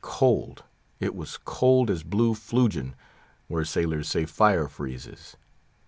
Cold! It was cold as Blue Flujin, where sailors say fire freezes.